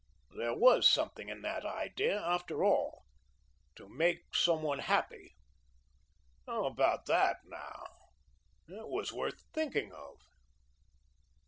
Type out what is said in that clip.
There was something in that idea, after all. To make some one happy how about that now? It was worth thinking of.